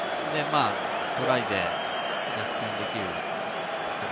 トライで逆転できる。